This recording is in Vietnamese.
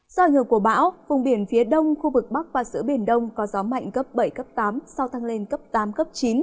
do ảnh hưởng của bão vùng biển phía đông khu vực bắc và giữa biển đông có gió mạnh cấp bảy cấp tám sau tăng lên cấp tám cấp chín